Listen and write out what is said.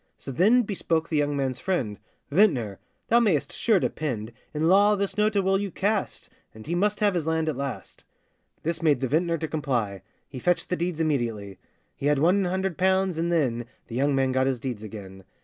So then bespoke the young man's friend: 'Vintner! thou mayest sure depend, In law this note it will you cast, And he must have his land at last.' This made the vintner to comply,— He fetched the deeds immediately; He had one hundred pounds, and then The young man got his deeds again.